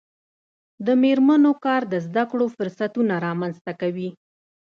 د میرمنو کار د زدکړو فرصتونه رامنځته کوي.